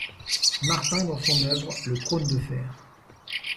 Martin dans son œuvre Le Trône de fer.